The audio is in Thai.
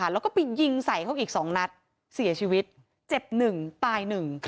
แล้วก็ไปยิงใส่เขาอีก๒นัดเสียชีวิตเจ็บ๑ตาย๑